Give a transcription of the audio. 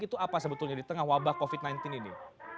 itu apa sebetulnya di tengah wabah covid sembilan belas ini